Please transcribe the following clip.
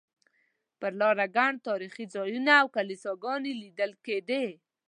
پر لاره ګڼ تاریخي ځایونه او کلیساګانې لیدل کېدې.